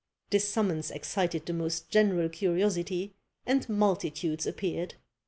This summons excited the most general curiosity, and multitudes appeared.